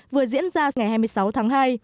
vừa diễn ra ngày hai mươi sáu tháng hai